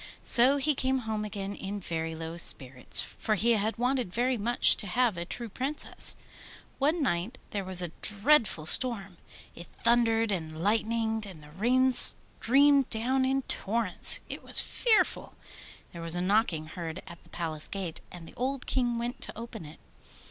So he came home again in very low spirits, for he had wanted very much to have a true Princess. One night there was a dreadful storm; it thundered and lightened and the rain streamed down in torrents. It was fearful! There was a knocking heard at the Palace gate, and the old King went to open it.